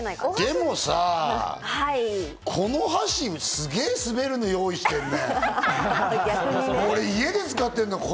でもさぁ、この箸、すげぇ滑るの用意してるね。